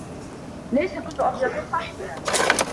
ليس كل أبيض طحيناً.